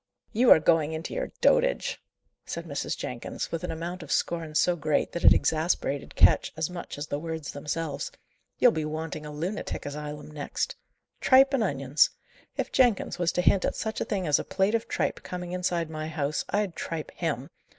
"You are going into your dotage," said Mrs. Jenkins, with an amount of scorn so great that it exasperated Ketch as much as the words themselves. "You'll be wanting a lunatic asylum next. Tripe and onions! If Jenkins was to hint at such a thing as a plate of tripe coming inside my house, I'd tripe him.